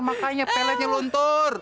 makanya peletnya lontur